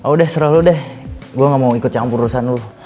udah serah lo deh gue nggak mau ikut campur urusan lo